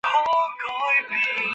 粟末靺鞨得名。